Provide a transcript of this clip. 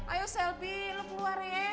ayo selby lo keluar ya